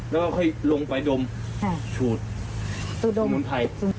เราก็ลงไปดมสูดสมุนไพร